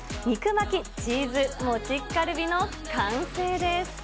肉巻きチーズ餅ッカルビの完成です。